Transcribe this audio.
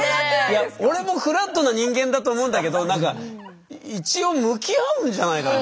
いや俺もフラットな人間だと思うんだけど何か一応向き合うんじゃないかな。